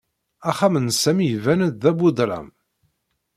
Axxam n Sami iban-d d abuḍḍlam.